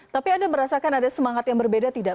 tapi anda merasakan ada semangat yang berbeda tidak